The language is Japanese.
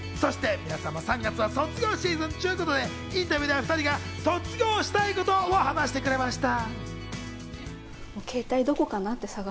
３月は卒業シーズンということで、インタビューではお２人が卒業したいことを話してくれました。